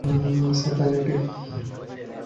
Sir, তাই নাকি!